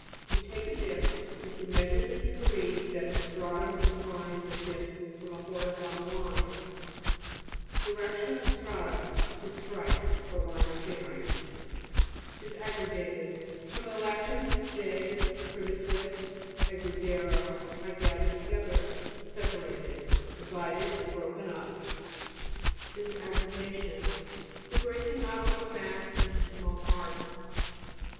" To take a dip," is to mea sure the degree that a stratum in clines or dips from a horizontal line (p. 185). DIRECTION OF STRATA The Strike, or line of bearing (p. 185). DIRT BED (Portland) p. 145. DISAGGREGATED fr. lat. de, pri vitive, aggrego, I gather together. Separated, divided, broken up. DISAGGREBA'TION The breaking up of a mass into small parts.